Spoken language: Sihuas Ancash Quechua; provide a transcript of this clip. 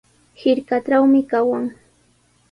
Hirkatrawmi kawan.